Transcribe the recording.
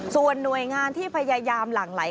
ส่วนหน่วยงานที่พยายามหลั่งไหล